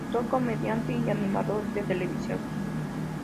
Actor, comediante y animador de televisión.